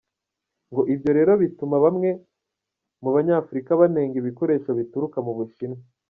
Ngo ibyo rero bituma bamwe mu banyafurika banenga ibikoresho bituruka mu Bushinwa.